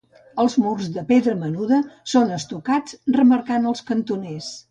Els murs, de pedra menuda, són estucats, remarcant els cantoners.